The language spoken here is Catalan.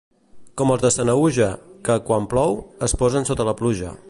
Com els de Sanaüja, que, quan plou, es posen sota la pluja.